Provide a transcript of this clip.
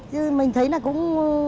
chứ mình thấy là cũng